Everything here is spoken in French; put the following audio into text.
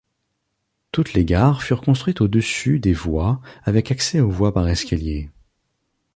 Toutes les gares furent construites au-dessus des voies avec accès aux voies par escalier.